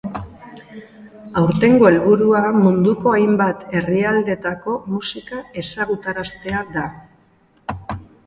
Aurtengo helburua munduko hainbat herrialdetako musika ezagutaraztea da.